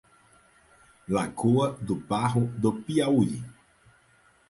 Lagoa do Barro do Piauí